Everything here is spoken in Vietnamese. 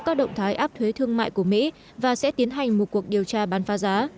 các động thái áp thuế thương mại của mỹ và sẽ tiến hành một cuộc điều tra bán phá giá